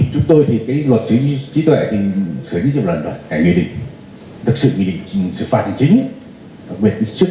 thưa quý vị luật sở hữu trí tuệ thì xử lý nhiều lần rồi